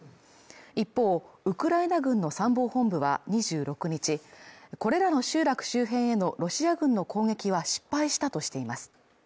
一方、ウクライナ軍の参謀本部は２６日、これらの集落周辺へのロシア軍の攻撃は失敗したとしています。